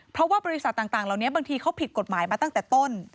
เพราะว่าบริษัทต่างเหล่านี้บางทีเขาผิดกฎหมายมาตั้งแต่ต้น